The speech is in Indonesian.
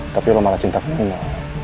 tapi lo malah cintaku nino